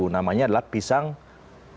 namanya adalah pisang nugget